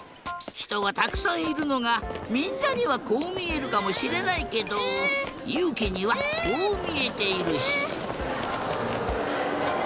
ひとがたくさんいるのがみんなにはこうみえるかもしれないけどゆうきにはこうみえているし。